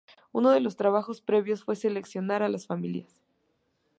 Uno de los trabajos previos fue seleccionar a las familias.